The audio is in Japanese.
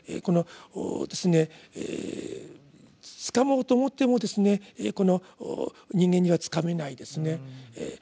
このつかもうと思ってもこの人間にはつかめないですね。